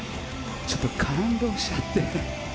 ちょっと感動しちゃって。